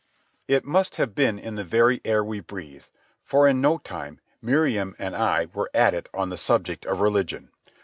It must have been in the very air we breathed, for in no time Miriam and I were at it on the subject of religion.